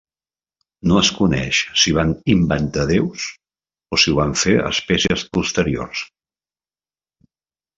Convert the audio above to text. No es coneix si van inventar déus o si ho van fer espècies posteriors.